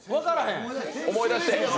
思い出して！